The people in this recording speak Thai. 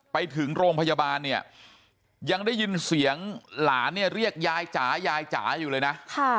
ไปถึงโรงพยาบาลเนี่ยยังได้ยินเสียงหลานเนี่ยเรียกยายจ๋ายายจ๋าอยู่เลยนะ